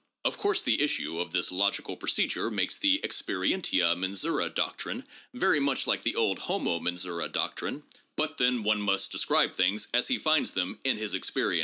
Of course the issue of this logical procedure makes the experientia mensura doc trine very much like the old homo mensura doctrine, but then one must describe things as he finds them in his experience.